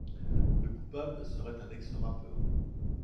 Le coupable serait un ex-rappeur.